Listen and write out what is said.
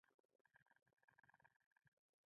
څو تر څو به دلته یو؟